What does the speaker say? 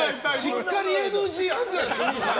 しっかりＮＧあるんじゃないですか？